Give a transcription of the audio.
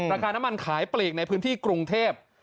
ราคาน้ำมันขายปลีกในพื้นที่กรุงเทพ